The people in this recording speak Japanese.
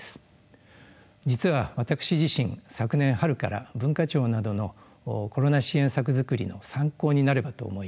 実は私自身昨年春から文化庁などのコロナ支援策作りの参考になればと思い